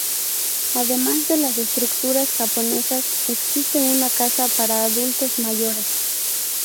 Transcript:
Además de las estructuras japonesas, existe una casa para adultos mayores.